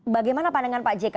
bagaimana pandangan pak jk